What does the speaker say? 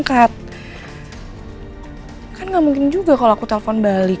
kan gak mungkin juga kalau aku telpon balik